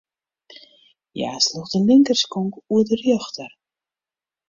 Hja sloech de linkerskonk oer de rjochter.